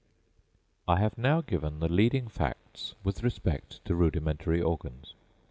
I have now given the leading facts with respect to rudimentary organs.